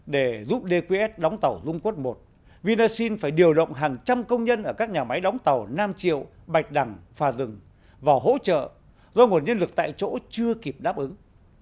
để giúp dqs đóng tàu dung quất một vinasin phải điều động hàng trăm công nhân ở các nhà máy đóng tàu nam triệu bạch đằng phà rừng vào hỗ trợ do nguồn nhân lực tại chỗ chưa kịp đáp ứng